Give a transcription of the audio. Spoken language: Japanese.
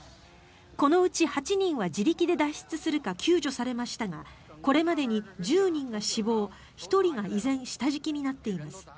このうち８人は自力で脱出するか救助されましたがこれまでに１０人が死亡１人が依然、下敷きになっています。